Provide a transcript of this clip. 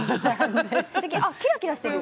あっキラキラしてる。